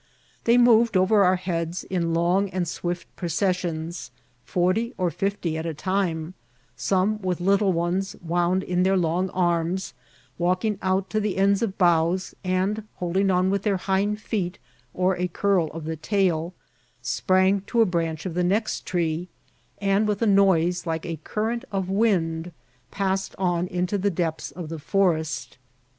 They moved over our heads in long and swift processions, forty or fifty at a time, some with little ones wound in their long arms, walking out to the end of boughs, and holding on with their hind feet or a curl of the tail, sprang to a branch of the next tree, and, with a noise like a current of wind, passed on into the depths of the forest.